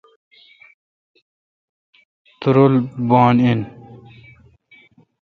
تورل بان این۔